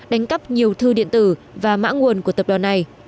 đánh cắp nhiều thư điện tử và mã nguồn của tập đoàn này